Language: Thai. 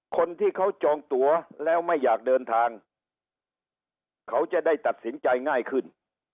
คนที่เขาจองตัวแล้วไม่อยากเดินทางเขาจะได้ตัดสินใจง่ายขึ้น